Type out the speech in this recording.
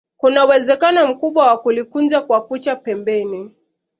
Kuna uwezekano mkubwa wa kujikunja kwa kucha pembeni